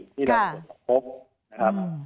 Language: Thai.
ที่เราก็พบ